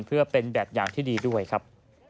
เพื่อเป็นแบบอย่างที่ดีด้วยครับ